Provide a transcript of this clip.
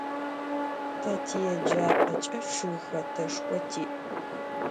Te tiêcap'eç'e ççıgxeteşşxo ti'.